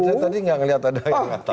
ngatain tadi nggak ngeliat ada yang ngatain